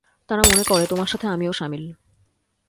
তারা মনে করে তোমার সাথে আমিও শামিল।